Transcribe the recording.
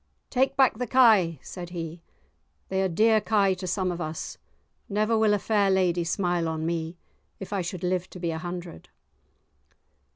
"Take back the kye!" said he; "they are dear kye to some of us; never will a fair lady smile on me if I should live to be a hundred."